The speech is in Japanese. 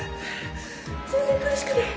全然苦しくない。